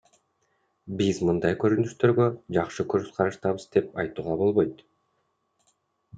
Биз мындай көрүнүштөргө жакшы көз караштабыз деп айтууга болбойт.